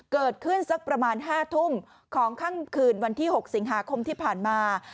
เกิดขึ้นสักประมาณ๕ทุ่มของข้างคืนวันที่๖สิงหาคมที่ผ่านมา